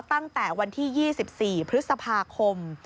ตั้งแต่วันที่๒๔พฤษภาคม